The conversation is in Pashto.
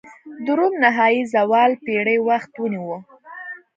د روم نهايي زوال پېړۍ وخت ونیوه.